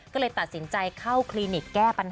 ก็เลยตัดสินใจเข้าคลินิกแก้ปัญหา